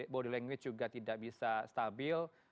body language juga tidak bisa stabil